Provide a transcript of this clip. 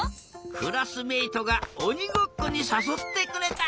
クラスメートがおにごっこにさそってくれた。